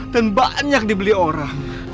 dan banyak dibeli orang